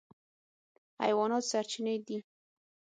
حیوانات سرچینې دي.